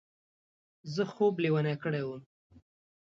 زه خوب لېونی کړی وم.